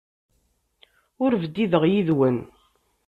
Ur bdideɣ yid-wen.